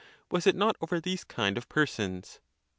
was it not over these kind of persons